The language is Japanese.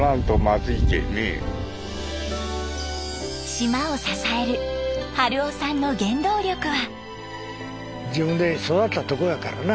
島を支える春生さんの原動力は。